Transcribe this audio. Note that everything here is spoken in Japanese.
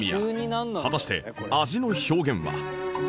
果たして味の表現は